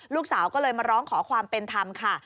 ลูกสาวก็เลยมาร้องขอความเป็นธรรมค่ะ